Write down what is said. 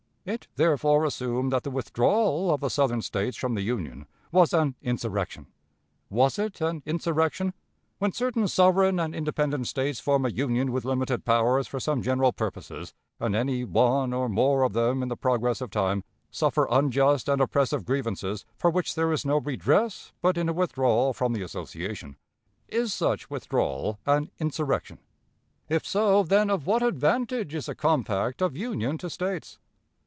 It, therefore, assumed that the withdrawal of the Southern States from the Union was an insurrection. Was it an insurrection? When certain sovereign and independent States form a union with limited powers for some general purposes, and any one or more of them, in the progress of time, suffer unjust and oppressive grievances for which there is no redress but in a withdrawal from the association, is such withdrawal an insurrection? If so, then of what advantage is a compact of union to States?